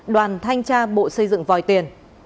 đoàn thanh tra bộ xây dựng vòi tiền